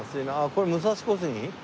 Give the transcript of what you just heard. これ武蔵小杉？